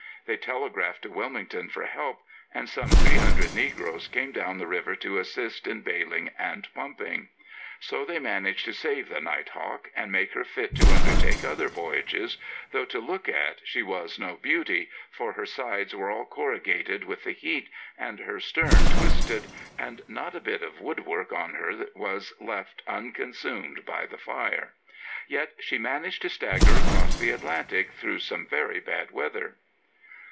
They telegraphed to Wilmington for help, and some 300 negroes came down the river to assist in baling and pumping. So they managed to save the Night Hawk and make her fit to undertake other voyages, though to look at she was no beauty, for her sides were all corrugated with the heat, and her stern twisted, and not a bit of woodwork on her was left unconsumed by the fire. Yet she managed to stagger across the Atlantic through some very bad weather.